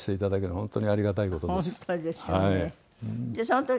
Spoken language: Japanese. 本当ですよね。